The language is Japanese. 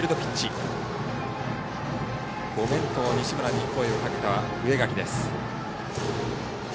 「ごめん」と西村に声をかけた植垣です。